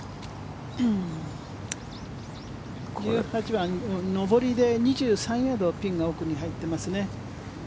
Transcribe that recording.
１８番は上りで２３ヤードピンが奥に入ってますね。